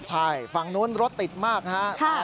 ใช่ฝั่งนู้นรถติดมากฮะ